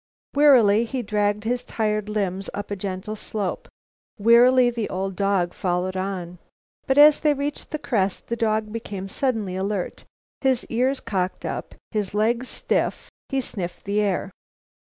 Wearily he dragged his tired limbs up a gentle slope. Wearily the old dog followed on. But as they reached the crest the dog became suddenly alert. His ears cocked up, his legs stiff, he sniffed the air.